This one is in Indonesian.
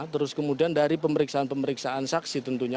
terus kemudian dari pemeriksaan pemeriksaan saksi tentunya